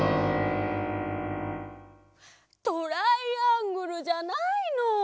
トライアングルじゃないの！